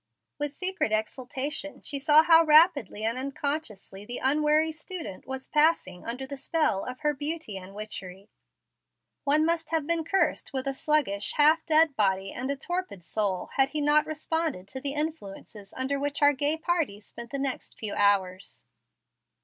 With secret exultation she saw how rapidly and unconsciously the unwary student was passing under the spell of her beauty and witchery. One must have been cursed with a sluggish, half dead body and a torpid soul, had he not responded to the influences under which our gay party spent the next few hours.